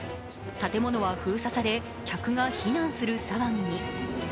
建物は封鎖され、客が避難する騒ぎに。